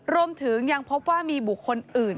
รวมถึงยังพบว่ามีบุคคลอื่น